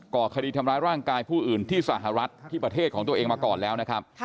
ก่อคดีทำร้ายร่างกายผู้อื่นที่สหรัฐที่ประเทศของตัวเองมาก่อนแล้วนะครับ